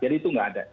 jadi itu nggak ada